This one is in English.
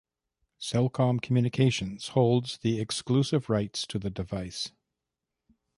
Cellcom Communications holds the exclusive rights to the device.